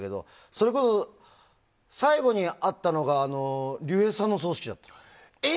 それこそ最後に会ったのが竜兵さんのお葬式だったの。